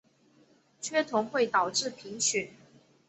缺铜会导致贫血。